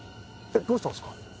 「どうしたんすか？」